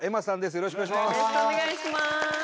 よろしくお願いします！